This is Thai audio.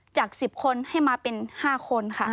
จาก๑๐คนให้มาเป็น๕คนค่ะ